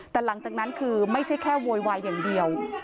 แต่หลังจากนั้นคือไม่ใช่แค่โวยวายอย่างเดียว